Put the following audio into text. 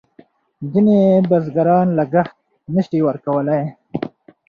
ځینې بزګران لګښت نه شي ورکولای.